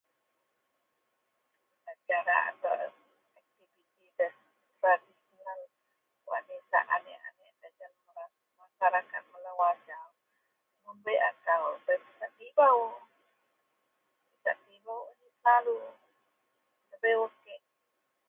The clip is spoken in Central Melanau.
Acara wak bei nisak aniek-aniek dagen masyarakat melo pisak tibou yian selalu debai wak kei.